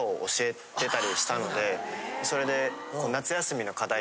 それで。